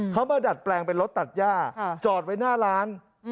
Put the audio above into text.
เขามาดัดแปลงเป็นรถตัดย่าจอดไว้หน้าร้าน